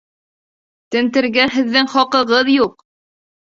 Тентергә һеҙҙең хаҡығыҙ юҡ!